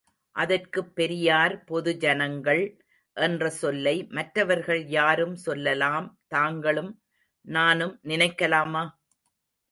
அதற்குப் பெரியார்பொது ஐனங்கள்—என்ற சொல்லை மற்றவர்கள் யாரும் சொல்லலாம் தாங்களும் நானும் நினைக்கலாமா?